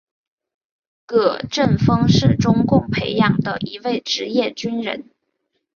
葛振峰是中共培养的一位职业军人。